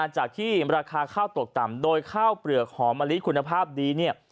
จากที่ราคาข้าวตกต่ำโดยข้าวเปลือกหอมมะลิคุณภาพดีเนี่ย